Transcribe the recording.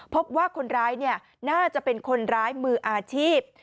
พบว่าคนร้ายน่าจะเป็นคนร้ายมืออาชีพ